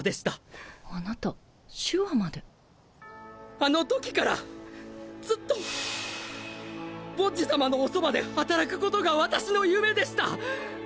あのときからずっとボッジ様のおそばで働くことが私の夢でした！